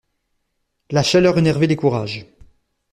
La chaleur énervait les courages.